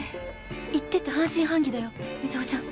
言ってて半信半疑だよ瑞穂ちゃん。